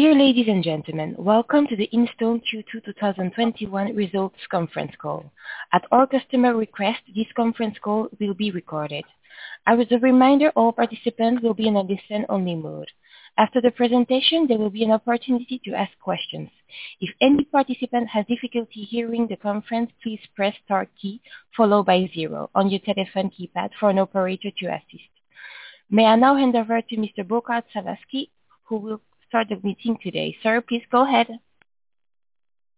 Dear ladies and gentlemen, welcome to the Instone Q2 2021 Results Conference Call. At all customer requests, this conference call will be recorded. As a reminder, all participants will be in a listen-only mode. After the presentation, there will be an opportunity to ask questions. If any participant has difficulty hearing the conference, please press star key, followed by zero on your telephone keypad for an operator to assist. May I now hand over to Mr. Burkhard Sawazki, who will start the meeting today. Sir, please go ahead.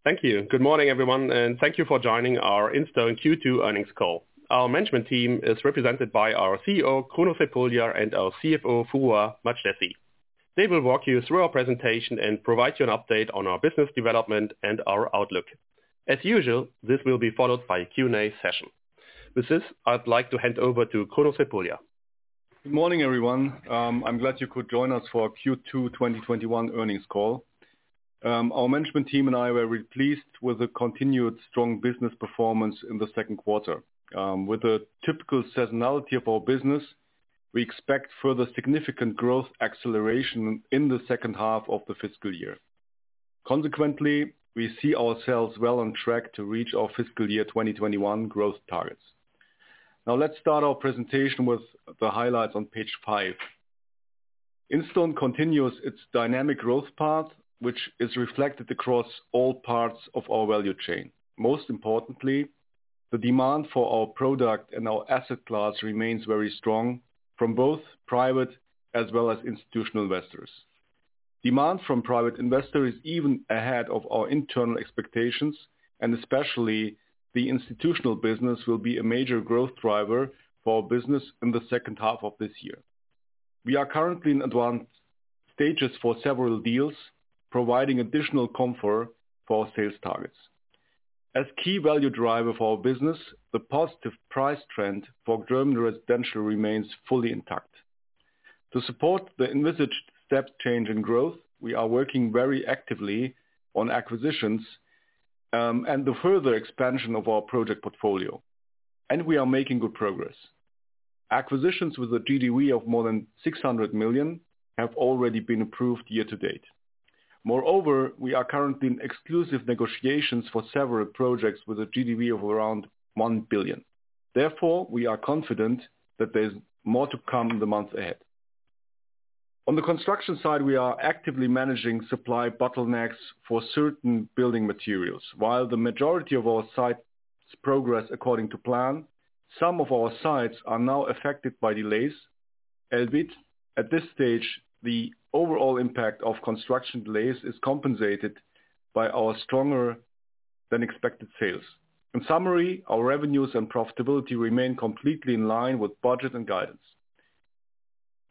Thank you. Good morning, everyone, and thank you for joining our Instone Q2 earnings call. Our management team is represented by our CEO, Kruno Crepulja, and our CFO, Foruhar Madjlessi. They will walk you through our presentation and provide you an update on our business development and our outlook. As usual, this will be followed by a Q&A session. With this, I'd like to hand over to Kruno Crepulja. Good morning, everyone. I'm glad you could join us for our Q2 2021 earnings call. Our management team and I were pleased with the continued strong business performance in the Q2. With the typical seasonality of our business, we expect further significant growth acceleration in the second half of the fiscal year. Consequently, we see ourselves well on track to reach our fiscal year 2021 growth targets. Now let's start our presentation with the highlights on page five. Instone continues its dynamic growth path, which is reflected across all parts of our value chain. Most importantly, the demand for our product and our asset class remains very strong from both private as well as institutional investors. Demand from private investors is even ahead of our internal expectations. Especially the institutional business will be a major growth driver for business in the second half of this year. We are currently in advanced stages for several deals, providing additional comfort for our sales targets. As key value driver for our business, the positive price trend for German residential remains fully intact. To support the envisaged step change in growth, we are working very actively on acquisitions, and the further expansion of our project portfolio. We are making good progress. Acquisitions with a GDV of more than 600 million have already been approved year to date. Moreover, we are currently in exclusive negotiations for several projects with a GDV of around 1 billion. Therefore, we are confident that there's more to come in the months ahead. On the construction side, we are actively managing supply bottlenecks for certain building materials. While the majority of our sites progress according to plan, some of our sites are now affected by delays, albeit at this stage, the overall impact of construction delays is compensated by our stronger than expected sales. In summary, our revenues and profitability remain completely in line with budget and guidance.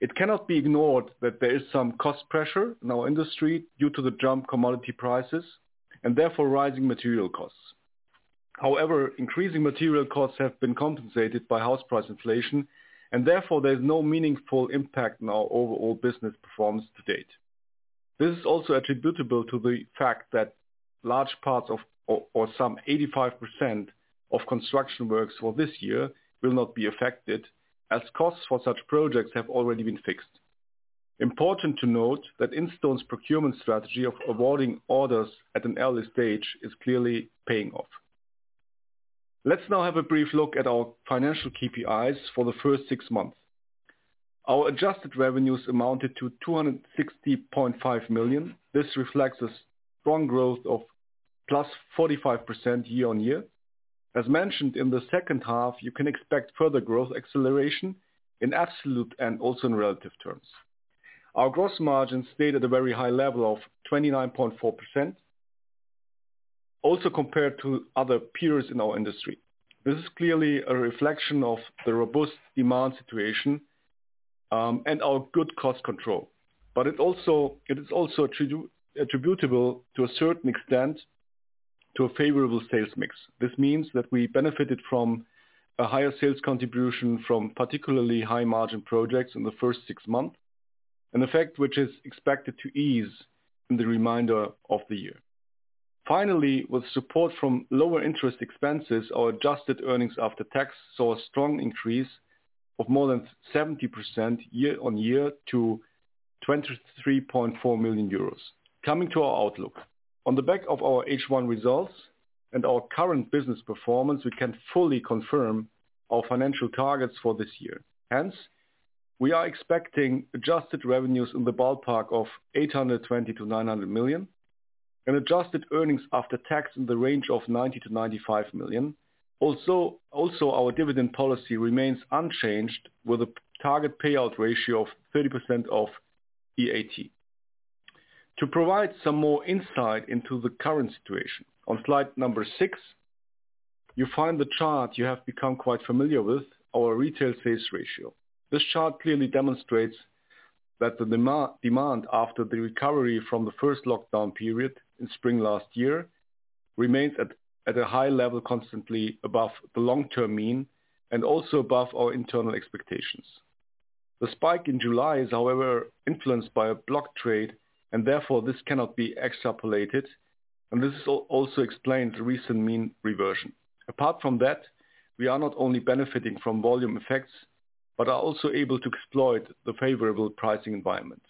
It cannot be ignored that there is some cost pressure in our industry due to the jump commodity prices and therefore rising material costs. However, increasing material costs have been compensated by house price inflation, and therefore, there is no meaningful impact on our overall business performance to date. This is also attributable to the fact that large parts of, or some 85% of construction works for this year will not be affected as costs for such projects have already been fixed. Important to note that Instone's procurement strategy of awarding orders at an early stage is clearly paying off. Let's now have a brief look at our financial KPIs for the first six months. Our adjusted revenues amounted to 260.5 million. This reflects a strong growth of plus 45% year-on-year. As mentioned in the second half, you can expect further growth acceleration in absolute and also in relative terms. Our gross margin stayed at a very high level of 29.4%, also compared to other peers in our industry. This is clearly a reflection of the robust demand situation, and our good cost control. It is also attributable to a certain extent to a favorable sales mix. This means that we benefited from a higher sales contribution from particularly high margin projects in the first six months, an effect which is expected to ease in the remainder of the year. Finally, with support from lower interest expenses, our adjusted earnings after tax saw a strong increase of more than 70% year-on-year to 23.4 million euros. Coming to our outlook. On the back of our H1 results and our current business performance, we can fully confirm our financial targets for this year. Hence, we are expecting adjusted revenues in the ballpark of 820 million-900 million, and adjusted earnings after tax in the range of 90 million-95 million. Also, our dividend policy remains unchanged with a target payout ratio of 30% of EAT. To provide some more insight into the current situation, on slide number six, you find the chart you have become quite familiar with, our retail sales ratio. This chart clearly demonstrates that the demand after the recovery from the first lockdown period in spring last year remained at a high level constantly above the long-term mean and also above our internal expectations. The spike in July is however influenced by a block trade and therefore this cannot be extrapolated, and this also explains the recent mean reversion. Apart from that, we are not only benefiting from volume effects. Are also able to exploit the favorable pricing environment.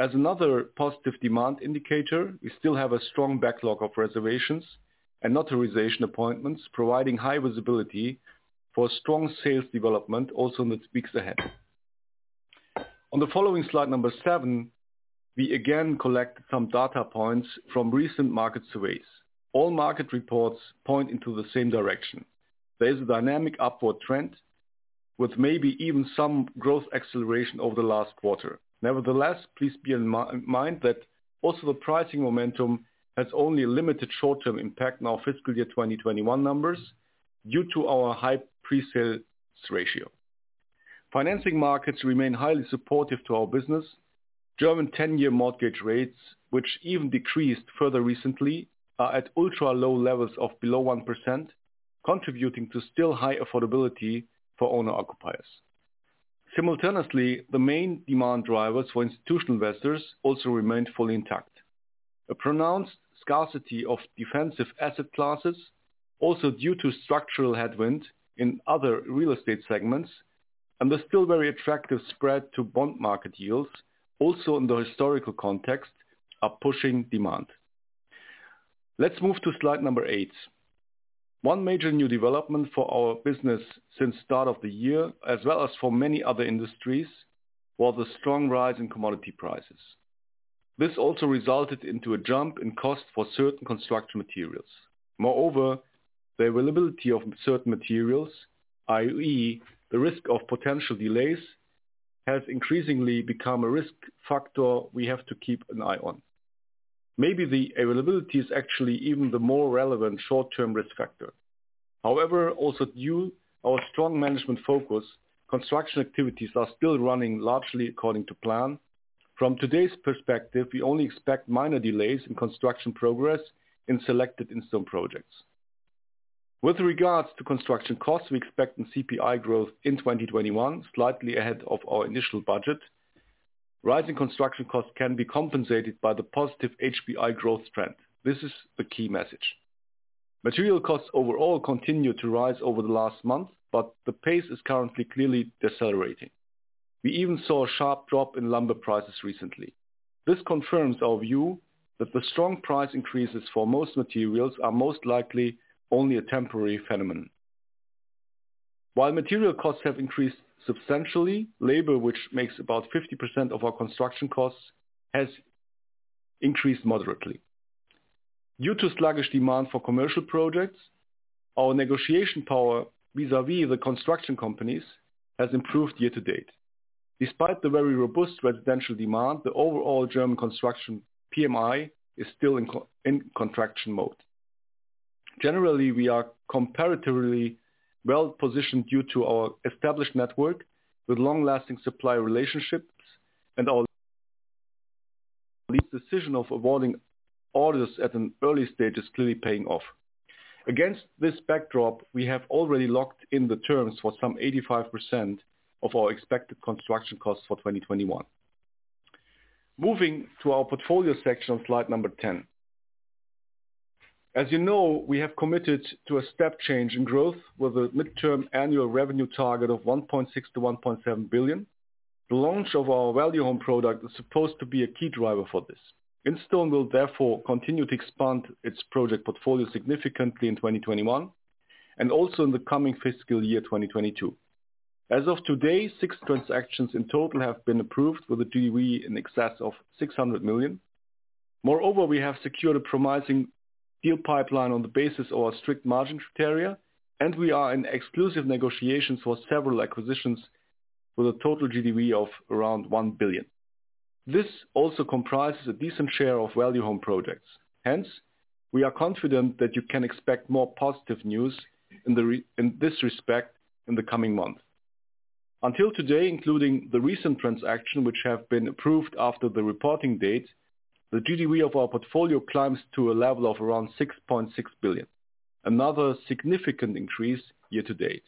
As another positive demand indicator, we still have a strong backlog of reservations and authorization appointments, providing high visibility for strong sales development also in the weeks ahead. On the following slide number seven, we again collect some data points from recent market surveys. All market reports point into the same direction. There is a dynamic upward trend with maybe even some growth acceleration over the last quarter. Nevertheless, please bear in mind that also the pricing momentum has only a limited short-term impact on our fiscal year 2021 numbers due to our high pre-sales ratio. Financing markets remain highly supportive to our business. German 10-year mortgage rates, which even decreased further recently, are at ultra-low levels of below 1%, contributing to still high affordability for owner/occupiers. Simultaneously, the main demand drivers for institutional investors also remained fully intact. A pronounced scarcity of defensive asset classes, also due to structural headwinds in other real estate segments, and the still very attractive spread to bond market yields, also in the historical context, are pushing demand. Let's move to slide number eight. One major new development for our business since start of the year, as well as for many other industries, was the strong rise in commodity prices. This also resulted into a jump in cost for certain construction materials. Moreover, the availability of certain materials, i.e., the risk of potential delays, has increasingly become a risk factor we have to keep an eye on. Maybe the availability is actually even the more relevant short-term risk factor. Also due our strong management focus, construction activities are still running largely according to plan. From today's perspective, we only expect minor delays in construction progress in selected Instone projects. With regards to construction costs, we expect an CPI growth in 2021 slightly ahead of our initial budget. Rising construction costs can be compensated by the positive HPI growth trend. This is the key message. Material costs overall continued to rise over the last month, but the pace is currently clearly decelerating. We even saw a sharp drop in lumber prices recently. This confirms our view that the strong price increases for most materials are most likely only a temporary phenomenon. While material costs have increased substantially, labor, which makes about 50% of our construction costs, has increased moderately. Due to sluggish demand for commercial projects, our negotiation power vis-à-vis the construction companies has improved year to date. Despite the very robust residential demand, the overall German construction PMI is still in contraction mode. Generally, we are comparatively well-positioned due to our established network with long-lasting supplier relationships and our decision of awarding orders at an early stage is clearly paying off. Against this backdrop, we have already locked in the terms for some 85% of our expected construction costs for 2021. Moving to our portfolio section on slide number 10. As you know, we have committed to a step change in growth with a midterm annual revenue target of 1.6 billion-1.7 billion. The launch of our Value Home product is supposed to be a key driver for this. Instone will therefore continue to expand its project portfolio significantly in 2021. Also in the coming fiscal year 2022, as of today, six transactions in total have been approved with a GDV in excess of 600 million. Moreover, we have secured a promising deal pipeline on the basis of our strict margin criteria. We are in exclusive negotiations for several acquisitions with a total GDV of around 1 billion. This also comprises a decent share of Value Home projects. Hence, we are confident that you can expect more positive news in this respect in the coming months. Until today, including the recent transaction, which have been approved after the reporting date, the GDV of our portfolio climbs to a level of around 6.6 billion. Another significant increase year-to-date.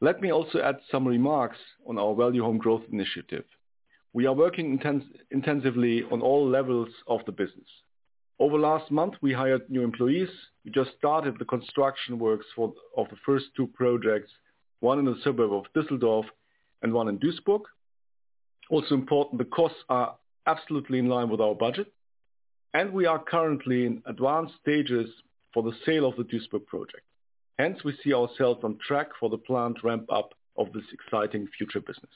Let me also add some remarks on our Value Home growth initiative. We are working intensively on all levels of the business. Over last month, we hired new employees. We just started the construction works of the first two projects, one in the suburb of Düsseldorf and one in Duisburg. Also important, the costs are absolutely in line with our budget, and we are currently in advanced stages for the sale of the Duisburg project. We see ourselves on track for the planned ramp-up of this exciting future business.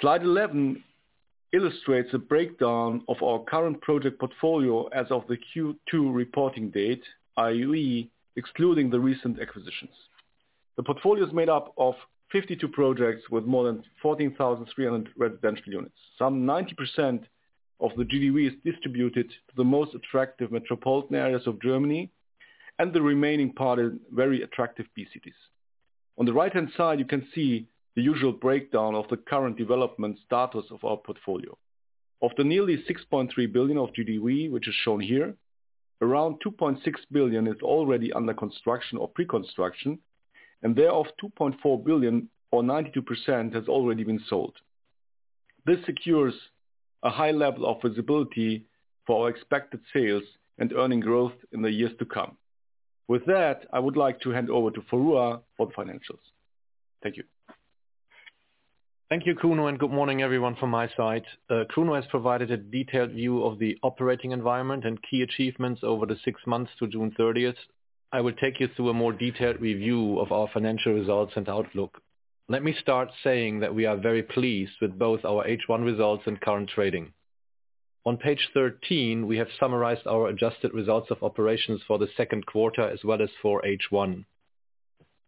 Slide 11 illustrates a breakdown of our current project portfolio as of the Q2 reporting date, i.e., excluding the recent acquisitions. The portfolio is made up of 52 projects with more than 14,300 residential units. Some 90% of the GDV is distributed to the most attractive metropolitan areas of Germany, and the remaining part is very attractive B-cities. On the right-hand side, you can see the usual breakdown of the current development status of our portfolio. Of the nearly 6.3 billion of GDV, which is shown here, around 2.6 billion is already under construction or pre-construction, and thereof, 2.4 billion or 92% has already been sold. This secures a high level of visibility for our expected sales and earning growth in the years to come. With that, I would like to hand over to Foruhar Madjlessi for the financials. Thank you. Thank you, Kruno. Good morning everyone from my side. Kruno has provided a detailed view of the operating environment and key achievements over the six months to June 30th. I will take you through a more detailed review of our financial results and outlook. Let me start saying that we are very pleased with both our H1 results and current trading. On page 13, we have summarized our adjusted results of operations for the Q2 as well as for H1.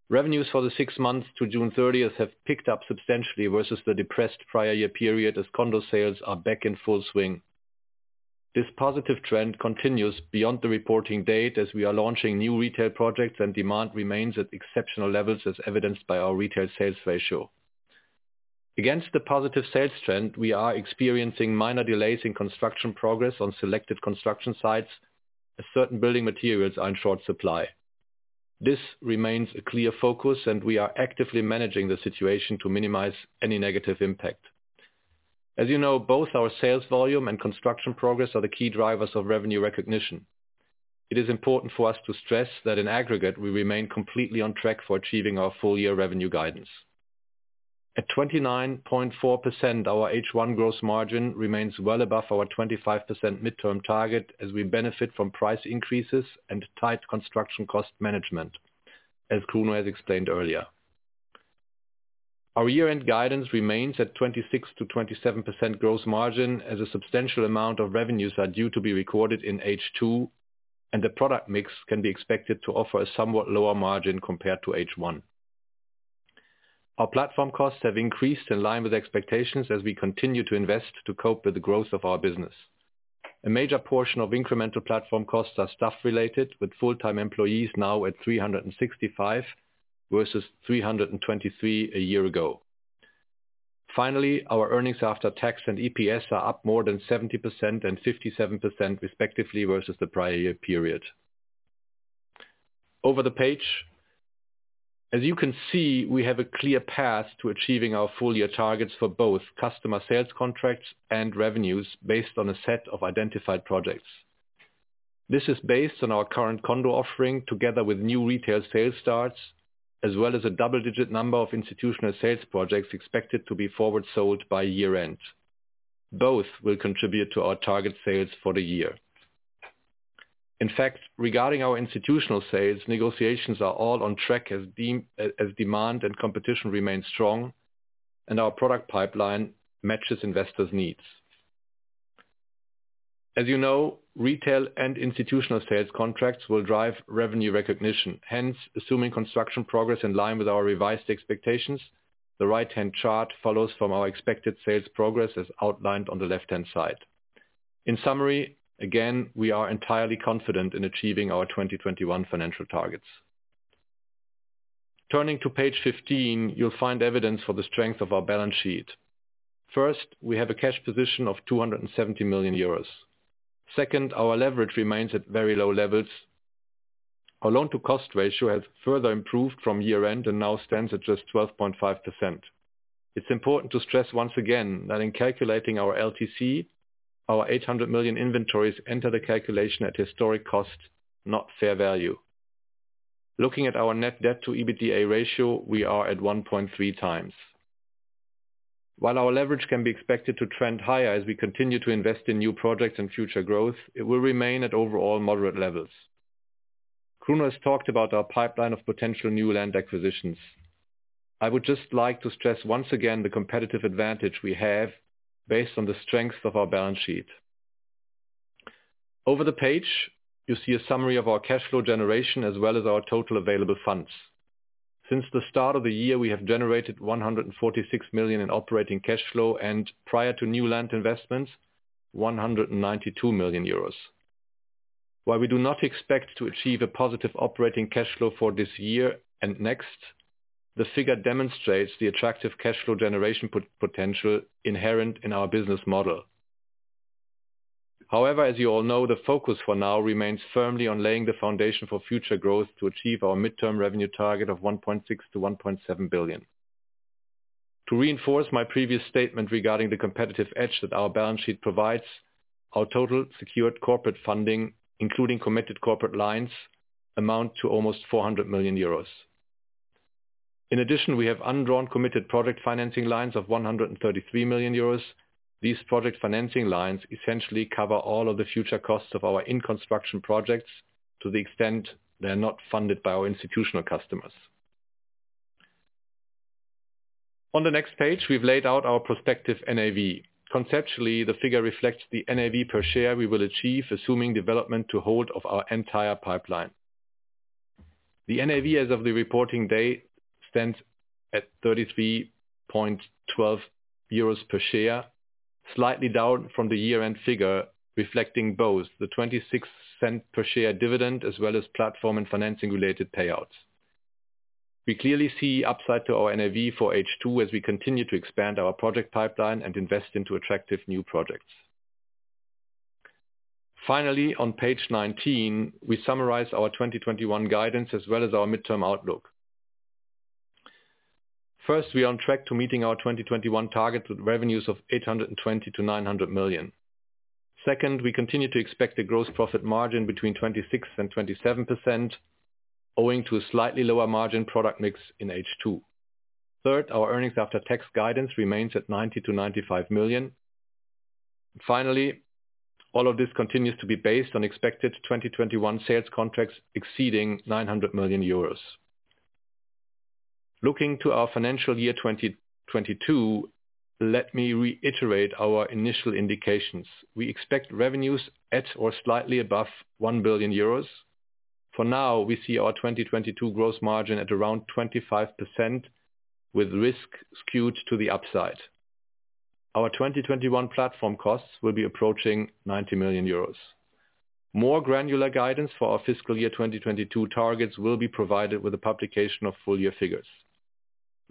Revenues for the six months to June 30th have picked up substantially versus the depressed prior year period as condo sales are back in full swing. This positive trend continues beyond the reporting date as we are launching new retail projects and demand remains at exceptional levels as evidenced by our retail sales ratio. Against the positive sales trend, we are experiencing minor delays in construction progress on selected construction sites as certain building materials are in short supply. This remains a clear focus, and we are actively managing the situation to minimize any negative impact. As you know, both our sales volume and construction progress are the key drivers of revenue recognition. It is important for us to stress that in aggregate, we remain completely on track for achieving our full-year revenue guidance. At 29.4%, our H1 gross margin remains well above our 25% midterm target as we benefit from price increases and tight construction cost management, as Kruno has explained earlier. Our year-end guidance remains at 26%-27% gross margin as a substantial amount of revenues are due to be recorded in H2, and the product mix can be expected to offer a somewhat lower margin compared to H1. Our platform costs have increased in line with expectations as we continue to invest to cope with the growth of our business. A major portion of incremental platform costs are staff related, with full-time employees now at 365 versus 323 a year ago. Finally, our earnings after tax and EPS are up more than 70% and 57% respectively versus the prior year period. Over the page. As you can see, we have a clear path to achieving our full-year targets for both customer sales contracts and revenues based on a set of identified projects. This is based on our current condo offering together with new retail sales starts, as well as a double-digit number of institutional sales projects expected to be forward sold by year-end. Both will contribute to our target sales for the year. In fact, regarding our institutional sales, negotiations are all on track as demand and competition remain strong, and our product pipeline matches investors' needs. As you know, retail and institutional sales contracts will drive revenue recognition. Assuming construction progress in line with our revised expectations, the right-hand chart follows from our expected sales progress as outlined on the left-hand side. In summary, again, we are entirely confident in achieving our 2021 financial targets. Turning to page 15, you'll find evidence for the strength of our balance sheet. First, we have a cash position of 270 million euros. Second, our leverage remains at very low levels. Our loan-to-cost ratio has further improved from year-end and now stands at just 12.5%. It's important to stress once again that in calculating our LTC, our 800 million inventories enter the calculation at historic cost, not fair value. Looking at our net debt to EBITDA ratio, we are at 1.3x. While our leverage can be expected to trend higher as we continue to invest in new projects and future growth, it will remain at overall moderate levels. Kruno has talked about our pipeline of potential new land acquisitions. I would just like to stress once again the competitive advantage we have based on the strength of our balance sheet. Over the page, you see a summary of our cash flow generation as well as our total available funds. Since the start of the year, we have generated 146 million in operating cash flow and prior to new land investments, 192 million euros. While we do not expect to achieve a positive operating cash flow for this year and next, the figure demonstrates the attractive cash flow generation potential inherent in our business model. As you all know, the focus for now remains firmly on laying the foundation for future growth to achieve our midterm revenue target of 1.6 billion-1.7 billion. To reinforce my previous statement regarding the competitive edge that our balance sheet provides, our total secured corporate funding, including committed corporate lines, amount to almost 400 million euros. In addition, we have undrawn committed project financing lines of 133 million euros. These project financing lines essentially cover all of the future costs of our in-construction projects to the extent they are not funded by our institutional customers. On the next page, we've laid out our prospective NAV. Conceptually, the figure reflects the NAV per share we will achieve, assuming development to hold of our entire pipeline. The NAV as of the reporting date stands at €33.12 per share, slightly down from the year-end figure, reflecting both the 0.26 per share dividend as well as platform and financing related payouts. We clearly see upside to our NAV for H2 as we continue to expand our project pipeline and invest into attractive new projects. Finally, on page 19, we summarize our 2021 guidance as well as our midterm outlook. First, we are on track to meeting our 2021 target with revenues of 820 million-900 million. Second, we continue to expect a gross profit margin between 26%-27%, owing to a slightly lower margin product mix in H2. Third, our earnings after tax guidance remains at 90 million-95 million. Finally, all of this continues to be based on expected 2021 sales contracts exceeding 900 million euros. Looking to our financial year 2022, let me reiterate our initial indications. We expect revenues at or slightly above 1 billion euros. For now, we see our 2022 gross margin at around 25%, with risk skewed to the upside. Our 2021 platform costs will be approaching 90 million euros. More granular guidance for our fiscal year 2022 targets will be provided with the publication of full year figures.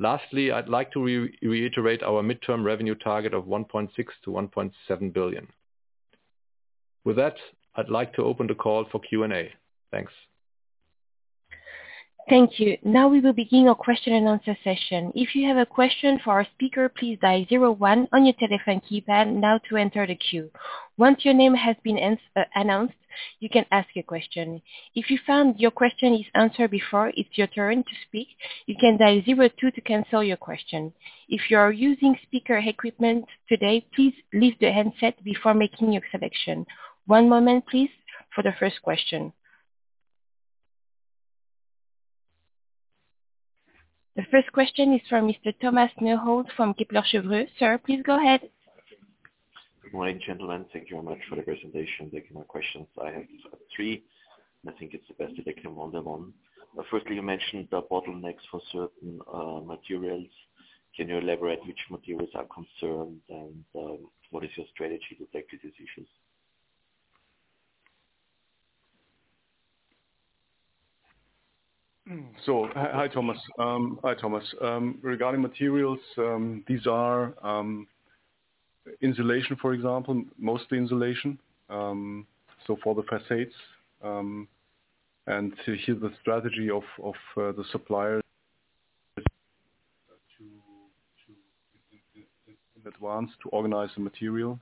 Lastly, I'd like to reiterate our midterm revenue target of 1.6 billion-1.7 billion. With that, I'd like to open the call for Q&A. Thanks. Thank you. Now we will begin our question and answer session. If you have a question for our speaker, please dial one on your telephone keypad. Now to enter the queue. Once your name has been announced, you can ask a question. If you found your question is answered before, it's your turn to speak. You can dial two to cancel your question. If you are using speaker equipment today, please leave your handset before making your selection. The first question is from Mr.Thomas Neuhold from Kepler Cheuvreux. Sir, please go ahead. Good morning, gentlemen. Thank you very much for the presentation. Thank you. My questions, I have three. I think it's best to take them one by one. Firstly, you mentioned the bottlenecks for certain materials. Can you elaborate which materials are concerned, and what is your strategy to tackle these issues? Hi, Thomas. Regarding materials, these are insulation, for example. Mostly insulation, for the facades. Here's the strategy of the supplier to advance, to organize the material,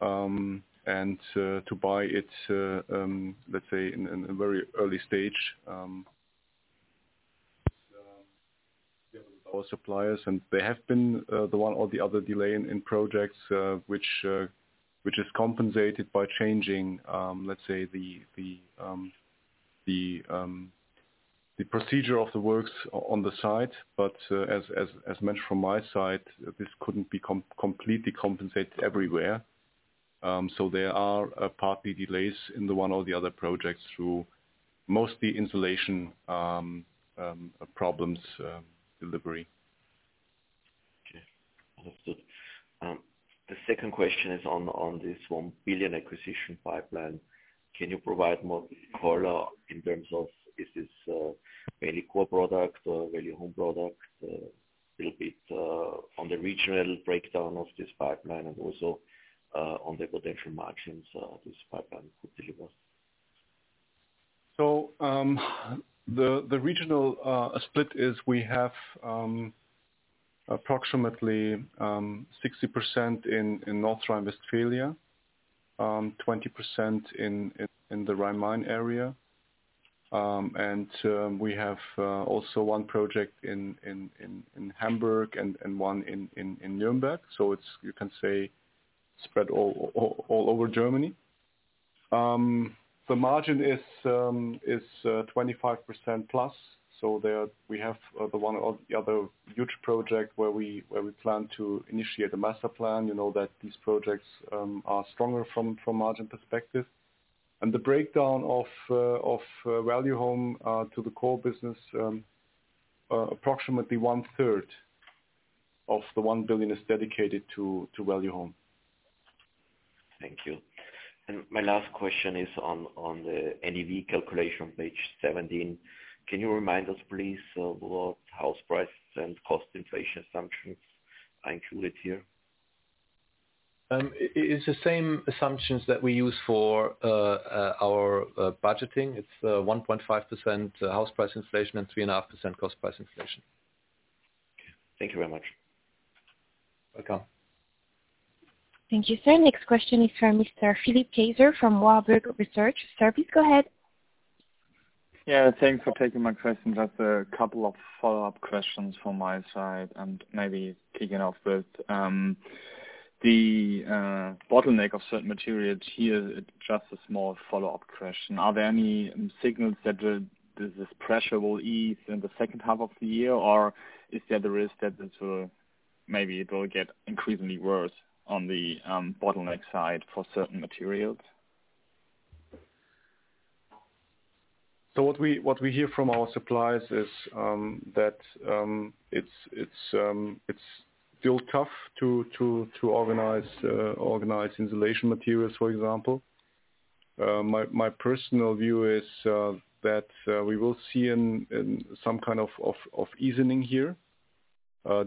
and to buy it, let's say in a very early stage. Our suppliers, there have been the one or the other delay in projects, which is compensated by changing, let's say, the procedure of the works on the site. As mentioned from my side, this couldn't be completely compensated everywhere. There are partly delays in the one or the other projects through mostly insulation problems delivery. Okay. Understood. The second question is on this 1 billion acquisition pipeline. Can you provide more color in terms of is this Value Home product? A little bit on the regional breakdown of this pipeline and also on the potential margins this pipeline could deliver. The regional split is we have approximately 60% in North Rhine-Westphalia, 20% in the Rhine Main area. We have also one project in Hamburg and one in Nuremberg. You can say spread all over Germany. The margin is 25%+. There we have the 1 or the other huge project where we plan to initiate a master plan. You know that these projects are stronger from margin perspective. The breakdown of Value Home to the core business, approximately one-third of the 1 billion is dedicated to Value Home. Thank you. My last question is on the NAV calculation, page 17. Can you remind us, please, what house price and cost inflation assumptions are included here? It's the same assumptions that we use for our budgeting. It's 1.5% house price inflation and 3.5% cost price inflation. Thank you very much. Welcome. Thank you, sir. Next question is from Mr. Philipp Kaiser from Warburg Research. Sir, please go ahead. Yeah, thanks for taking my question. Just a couple of follow-up questions from my side and maybe kicking off with the bottleneck of certain materials here. Just a small follow-up question. Are there any signals that this pressure will ease in the second half of the year, or is there the risk that this will maybe get increasingly worse on the bottleneck side for certain materials? What we hear from our suppliers is that it's still tough to organize insulation materials, for example. My personal view is that we will see some kind of easing here.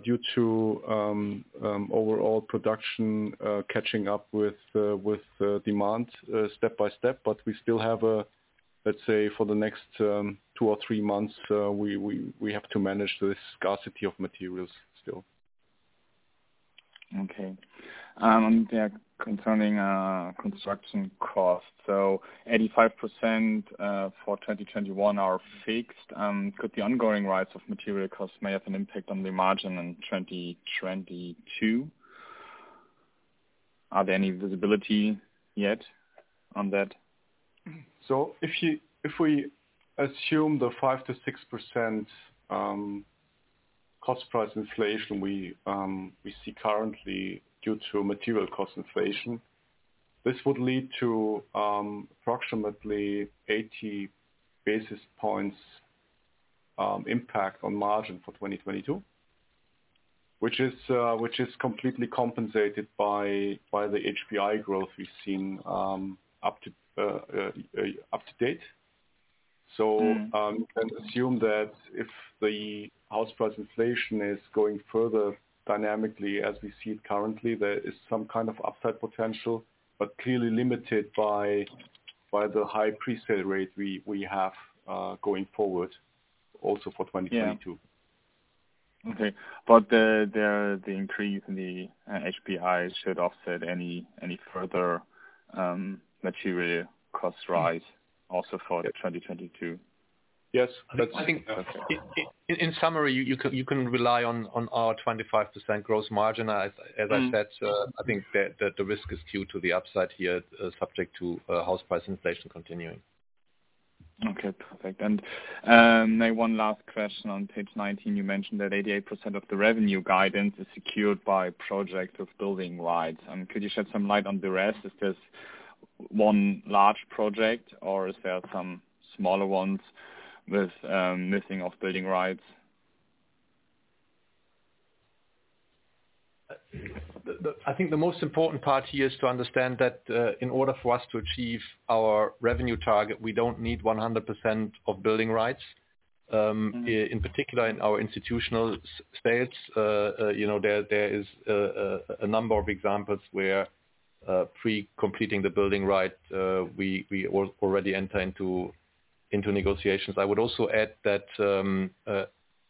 Due to overall production catching up with demand step by step. We still have, let's say, for the next two or three months, we have to manage this scarcity of materials still. Okay. Concerning construction costs. 85% for 2021 are fixed. Could the ongoing rise of material costs may have an impact on the margin in 2022? Are there any visibility yet on that? If we assume the 5%-6% cost price inflation we see currently due to material cost inflation, this would lead to approximately 80 basis points impact on margin for 2022, which is completely compensated by the HPI growth we've seen up to date. You can assume that if the house price inflation is going further dynamically as we see it currently, there is some kind of upside potential, but clearly limited by the high pre-sale rate we have going forward also for 2022. The increase in the HPI should offset any further material cost rise also for 2022. Yes. I think in summary, you can rely on our 25% gross margin. As I said, I think that the risk is due to the upside here, subject to house price inflation continuing. Okay, perfect. one last question. On page 19, you mentioned that 88% of the revenue guidance is secured by project of building rights. Could you shed some light on the rest? Is this 1 large project or is there some smaller ones with missing building rights? I think the most important part here is to understand that in order for us to achieve our revenue target, we don't need 100% of building rights. In particular in our institutional sales, there is a number of examples where pre-completing the building right, we already enter into negotiations. I would also add that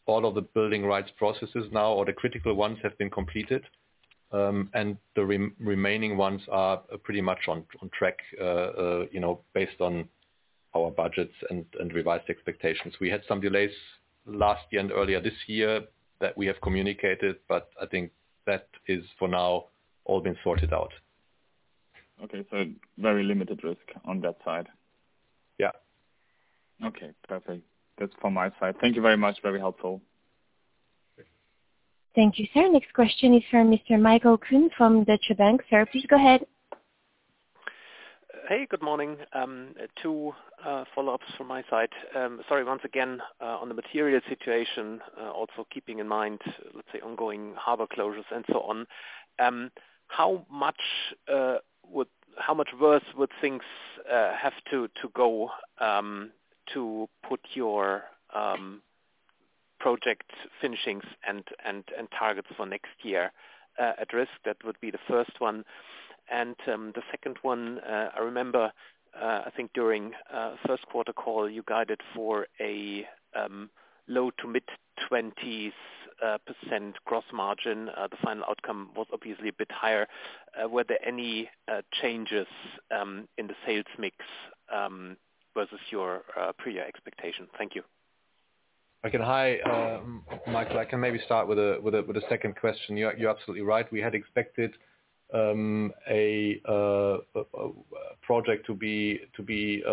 all of the building rights processes now, or the critical ones, have been completed, and the remaining ones are pretty much on track based on our budgets and revised expectations. We had some delays last year and earlier this year that we have communicated, but I think that is for now all been sorted out. Okay. Very limited risk on that side. Yeah. Okay, perfect. That's from my side. Thank you very much. Very helpful. Thank you, sir. Next question is from Mr. Michael Kuhn from Deutsche Bank. Sir, please go ahead. Hey, good morning. two follow-ups from my side. Sorry, once again, on the material situation, also keeping in mind, let's say, ongoing harbor closures and so on. How much worse would things have to go to put your project finishings and targets for next year at risk? That would be the first one. The second one, I remember, I think during Q1 call, you guided for a low to mid-20% gross margin. The final outcome was obviously a bit higher. Were there any changes in the sales mix versus your prior expectation? Thank you. Michael, hi. Michael, I can maybe start with the second question. You're absolutely right. We had expected a project to be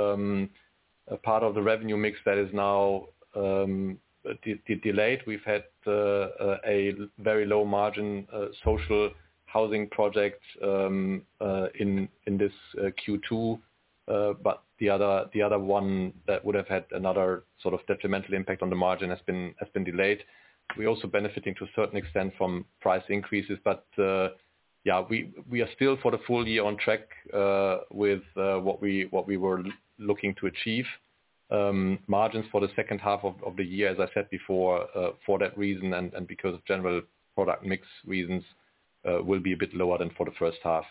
a part of the revenue mix that is now delayed. We've had a very low margin social housing project in this Q2. The other one that would have had another sort of detrimental impact on the margin has been delayed. We're also benefiting to a certain extent from price increases. Yeah, we are still for the full year on track with what we were looking to achieve. Margins for the second half of the year, as I said before, for that reason and because of general product mix reasons, will be a bit lower than for the first half.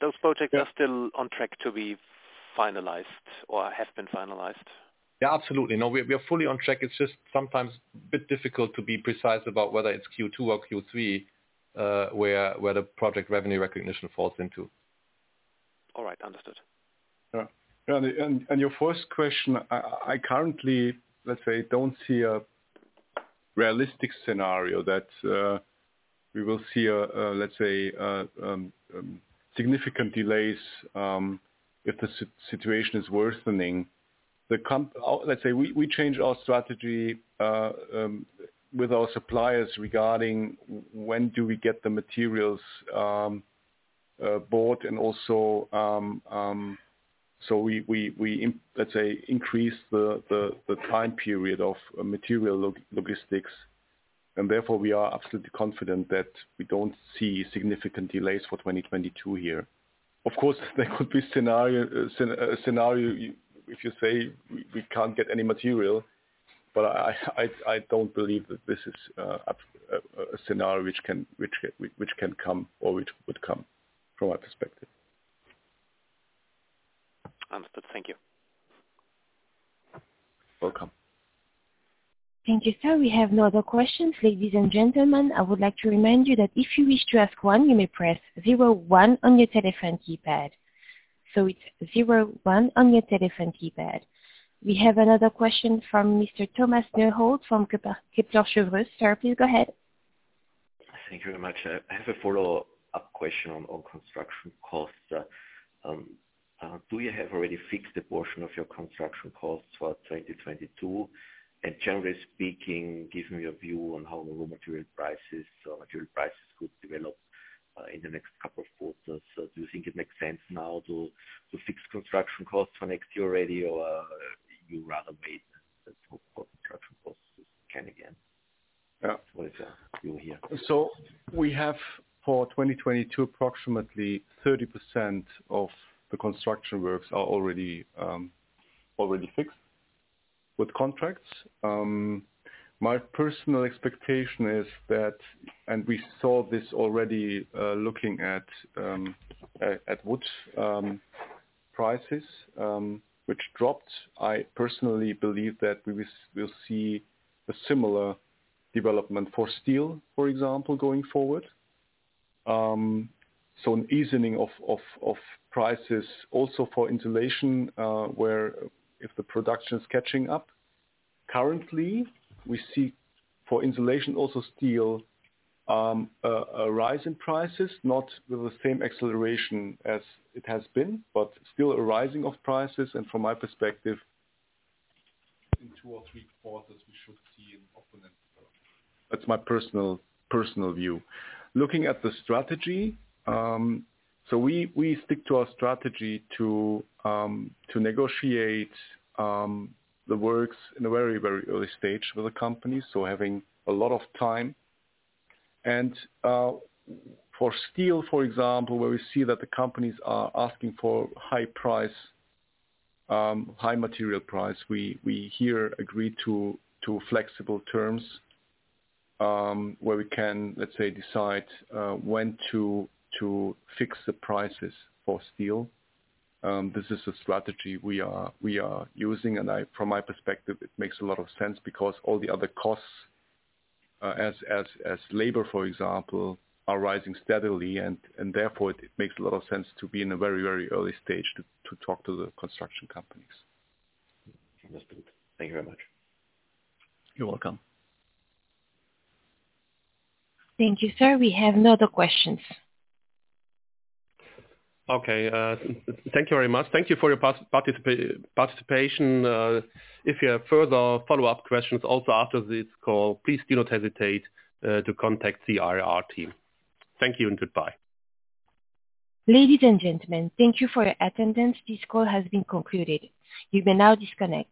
Those projects are still on track to be finalized or have been finalized. Yeah, absolutely. No, we are fully on track. It's just sometimes a bit difficult to be precise about whether it's Q2 or Q3, where the project revenue recognition falls into. All right. Understood. Your first question, I currently, let's say, don't see a realistic scenario that we will see, let's say, significant delays if the situation is worsening. Let's say we changed our strategy with our suppliers regarding when do we get the materials bought and also, so we let's say, increased the time period of material logistics. Therefore, we are absolutely confident that we don't see significant delays for 2022 here. Of course, there could be a scenario if you say we can't get any material, but I don't believe that this is a scenario which can come or which would come from our perspective. Understood. Thank you. Welcome. Thank you, sir. We have no other questions. Ladies and gentlemen, I would like to remind you that if you wish to ask one, you may press 01 on your telephone keypad. It's 01 on your telephone keypad. We have another question from Mr. Thomas Neuhold from Kepler Cheuvreux. Sir, please go ahead. Thank you very much. I have a follow-up question on construction costs. Do you have already fixed a portion of your construction costs for 2022? Generally speaking, give me your view on how raw material prices could develop in the next couple of quarters. Do you think it makes sense now to fix construction costs for next year already, or you rather wait and hope construction costs can again? What is your view here? We have for 2022, approximately 30% of the construction works are already fixed with contracts. My personal expectation is that, and we saw this already looking at wood prices, which dropped. I personally believe that we will see a similar development for steel, for example, going forward. An easing of prices also for insulation, where if the production is catching up. Currently, we see for insulation, also steel, a rise in prices, not with the same acceleration as it has been, but still a rising of prices. From my perspective, in two or three quarters, we should see an openness. That's my personal view. Looking at the strategy, so we stick to our strategy to negotiate the works in a very early stage with the company, so having a lot of time. For steel, for example, where we see that the companies are asking for high material price, we here agree to flexible terms, where we can, let's say, decide when to fix the prices for steel. This is a strategy we are using, and from my perspective, it makes a lot of sense because all the other costs, as labor, for example, are rising steadily, and therefore, it makes a lot of sense to be in a very early stage to talk to the construction companies. Understood. Thank you very much. You're welcome. Thank you, sir. We have no other questions. Okay. Thank you very much. Thank you for your participation. If you have further follow-up questions also after this call, please do not hesitate to contact the IR team. Thank you and goodbye. Ladies and gentlemen, thank you for your attendance. This call has been concluded. You may now disconnect.